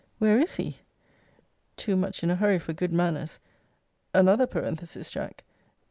Where is he? Too much in a hurry for good manners, [another parenthesis, Jack!